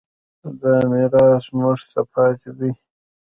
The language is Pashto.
دا میراث موږ ته پاتې دی.